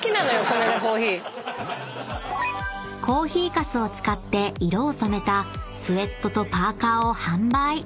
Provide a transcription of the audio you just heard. ［コーヒーかすを使って色を染めたスウェットとパーカーを販売］